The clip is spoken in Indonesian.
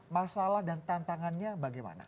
masalah dan tantangannya bagaimana